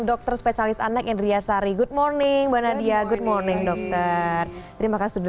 dokter spesialis anak indria sari good morning mbak nadia good morning dokter terima kasih sudah